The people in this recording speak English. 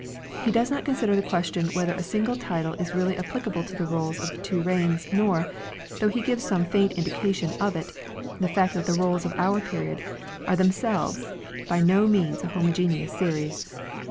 He does not consider the question whether a single title is really applicable to the rolls of the two reigns nor, though he gives some faint indication of it, the fact that the rolls of our period are themselves by no means a homogeneous series.